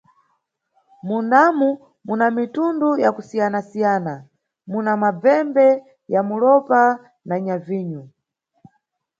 Mundamu muna mitundu ya kusiyanasiyana, muna mabvembe ya mulopa na nyavinyu.